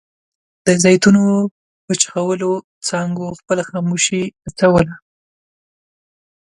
د زیتونو وچخولو څانګو خپله خاموشي نڅوله.